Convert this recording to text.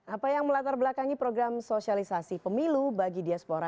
apa yang melatar belakangi program sosialisasi pemilu bagi diaspora